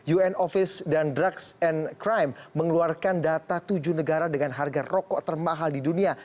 un office dan drugs and crime mengeluarkan data tujuh negara dengan harga rokok termahal di dunia